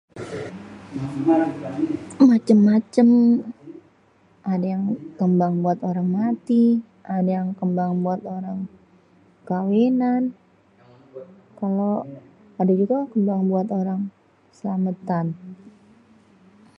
macem-macem, adé yang kembang buat orang mati, ade yang kembang buat orang kawinan, kalo, adé juga kembang buat orang sêlamêtan.